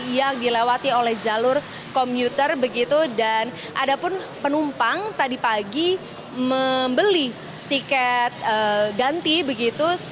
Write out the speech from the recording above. yang dilewati oleh jalur komuter begitu dan ada pun penumpang tadi pagi membeli tiket ganti begitu